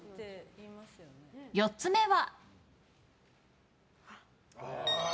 ４つ目は。